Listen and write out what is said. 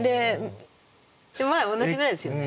でまあ同じぐらいですよね。